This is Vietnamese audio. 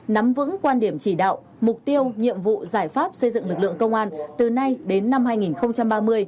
nắm vững quan điểm chỉ đạo mục tiêu nhiệm vụ giải pháp xây dựng lực lượng công an từ nay đến năm hai nghìn ba mươi